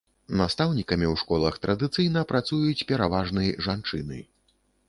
Настаўнікамі ў школах традыцыйна працуюць пераважны жанчыны.